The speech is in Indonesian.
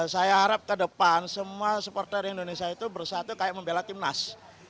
saya harap ke depan semua supporter indonesia itu bersatu kayak membela timnas